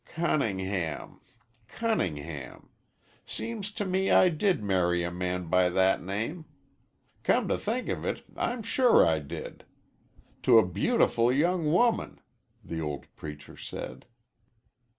"Cunningham Cunningham! Seems to me I did marry a man by that name. Come to think of it I'm sure I did. To a beautiful young woman," the old preacher said.